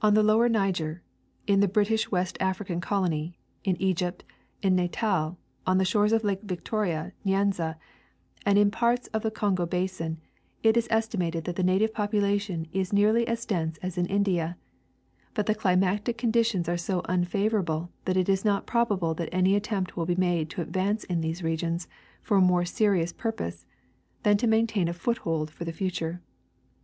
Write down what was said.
On the lower Niger, in Extenaioii of Coiiiiiierce in Africa. 35 the British Avest African colony, in Egypt, in Natal, on the shores of Lake Victoria Nyanza, and in parts of the Kongo basin, it is esti mated that the native population is nearly as dense as in India ; but the climatic conditions are so unfavorable that it is not prob able that any attempt will be made to advance in these regions for a more serious purpose than to maintain a foothold for the futvire.